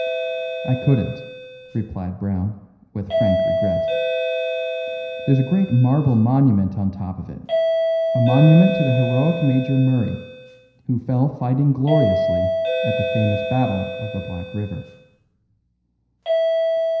"I couldn't," replied Brown, with frank regret. "There's a great marble monument on top of it; a monument to the heroic Major Murray, who fell fighting gloriously at the famous Battle of the Black River."